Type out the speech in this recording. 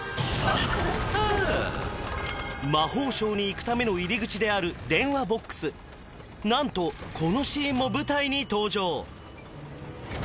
魔法省に行くための入り口である電話ＢＯＸ何とこのシーンも舞台に登場